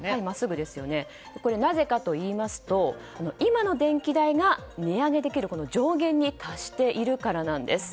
これなぜかといいますと今の電気代が値上げできる上限に達しているからなんです。